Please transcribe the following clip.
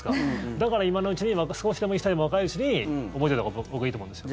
だから今のうちに少しでも１歳でも若いうちに覚えたほうが僕はいいと思うんですよ。